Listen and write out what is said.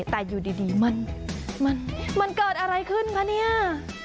แต่อยู่ดีมันเกิดอะไรขึ้นคะเนี่ย